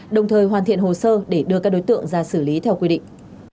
đồng thời hoàn thiện hồ sơ để đưa các đối tượng ra xử lý theo quy định